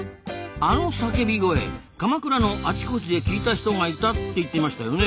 あの叫び声鎌倉のあちこちで聞いた人がいたって言ってましたよね？